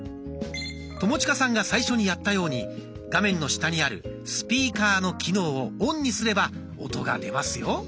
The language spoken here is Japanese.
友近さんが最初にやったように画面の下にある「スピーカー」の機能をオンにすれば音が出ますよ。